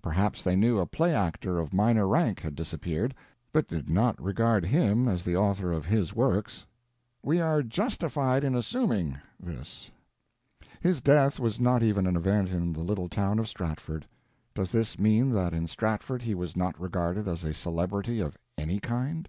Perhaps they knew a play actor of minor rank had disappeared, but did not regard him as the author of his Works. "We are justified in assuming" this. His death was not even an event in the little town of Stratford. Does this mean that in Stratford he was not regarded as a celebrity of any kind?